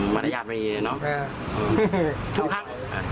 มารยาทมันอีกเลยเนอะทุกทาง